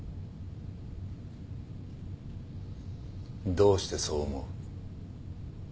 どうしてそう思う？